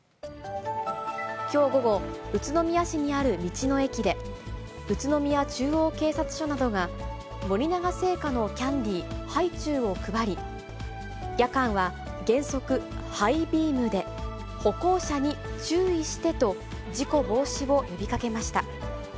きょう午後、宇都宮市にある道の駅で、宇都宮中央警察署などが、森永製菓のキャンディー、ハイチュウを配り、夜間は原則ハイビームで、歩行者に注意してと、事故防止を呼びかけました。